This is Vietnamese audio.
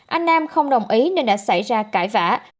anh nam không đồng ý nên đã xảy ra cãi vã